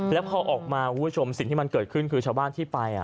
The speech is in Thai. แล้วพอออกมาคุณผู้ชมสิ่งที่มันเกิดขึ้นคือชาวบ้านที่ไป